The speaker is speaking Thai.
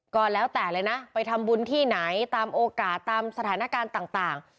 ก็แล้วแต่เลยนะไปทำบุญที่ไหนตามโอกาสตามสถานการณ์ต่าง